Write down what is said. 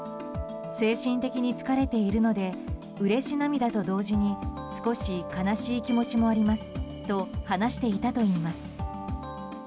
精神的に疲れているのでうれし涙と同時に少し悲しい気持ちもありますと話していたといいます。